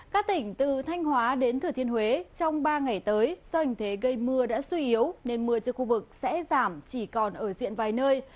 các tỉnh từ thanh hóa đến thừa thiên huế trong ba ngày tới do hình thế gây mưa đã suy yếu nên mưa trên khu vực sẽ giảm chỉ còn ở diện vài nơi